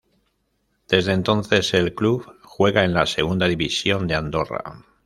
Desde entonces, el club juega en la segunda división de Andorra.